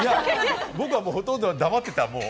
僕は、ほとんど黙ってた。